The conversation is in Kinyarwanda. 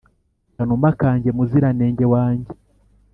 kanuma kanjye, muziranenge wanjye,